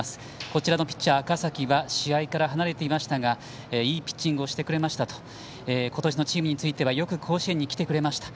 こちらのピッチャー、赤嵜は試合から離れていましたがいいピッチングをしてくれましたと今年のチームはよく甲子園に来てくれました。